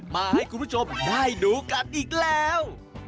มาให้คุณผู้ชมได้ดูกันอีกแล้ว